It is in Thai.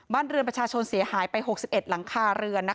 บ้านเรือนประชาชนเสียหายไป๖๑หลังคาเรือน